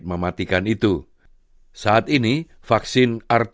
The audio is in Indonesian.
dan para ahli mengatakan vaksin ini dapat membalikkan keadaan penyakit